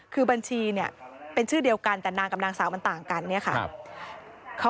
คือบัญชีเนี่ยเป็นชื่อเดียวกันแต่นางกับนางสาวมันต่างกันเนี่ยค่ะ